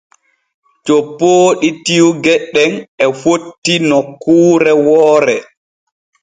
Coppooɗi tiwge ɗen e fotti nokkuure woore.